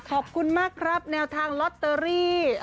ขอบคุณมากครับแนวทางลอตเตอรี่